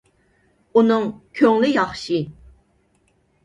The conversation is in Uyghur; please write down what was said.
ئۇنىڭ كۆڭلى ياخشى.